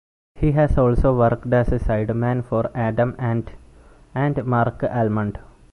He has also worked as a sideman for Adam Ant and Marc Almond.